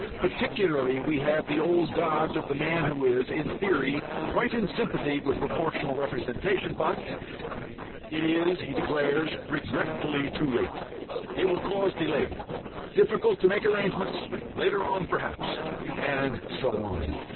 Particularly we have the old dodge of the man who is "in theory quite in sympathy with Proportional Representation, but ..." It is, he declares regretfully, too late. It will cause delay. Difficult to make arrangements. Later on perhaps. And so on.